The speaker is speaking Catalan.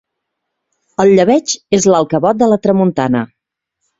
El llebeig és l'alcavot de la tramuntana.